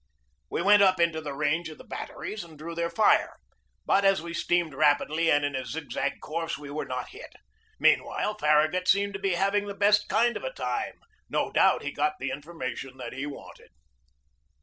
We went up into the range of the batteries and drew their fire. But as we steamed rapidly and in a zigzag course we were not hit. Meanwhile Farra gut seemed to be having the best kind of a time. No doubt, he got the information that he wanted.